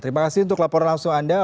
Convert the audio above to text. terima kasih untuk laporan langsung anda